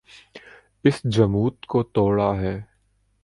اس جمود کو توڑا ہے۔